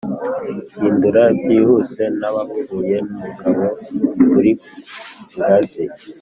hindura byihuse n'abapfuye, n'umugabo uri ku ngazi